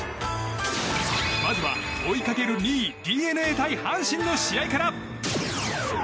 まずは、追いかける２位、ＤｅＮＡ対阪神の試合から。